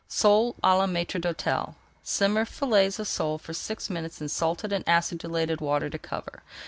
SOLE À LA MAÎTRE D'HÔTEL Simmer fillets of sole for six minutes in salted and acidulated water to cover.